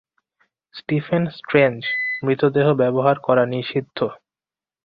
Stephen Strange, মৃতদেহ ব্যবহার করা নিষিদ্ধ!